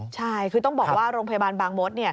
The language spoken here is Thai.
ใช่คือต้องบอกว่าโรงพยาบาลบางมด